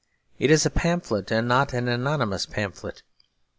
It is a pamphlet, and not an anonymous pamphlet.